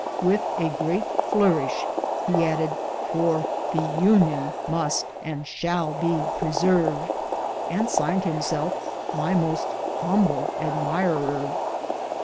With a great flourish, he ended, " for The TJ^iion must and shall be preserved," and signed himself my most humble admirer.